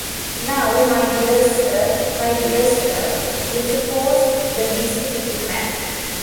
‘Now, my dear sir — my dear sir,’ interposed the busy little man.